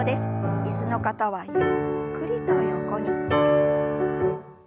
椅子の方はゆっくりと横に。